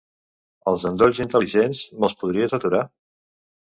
Els endolls intel·ligents, me'ls podries aturar?